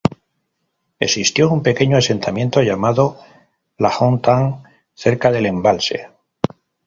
Existió un pequeño asentamiento llamado "Lahontan" cerca del embalse.